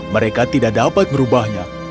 mereka tidak dapat merubahnya